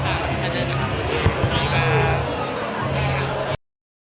ค่ะถ้าเจอได้ต้องกดติดตั้งไว้